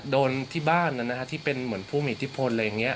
โดนที่บ้านที่เป็นเหมือนผู้มีอิทธิพลอะไรอย่างนี้